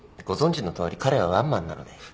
ご存じのとおり彼はワンマンなので。